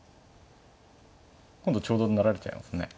今度ちょうど成られちゃいますね。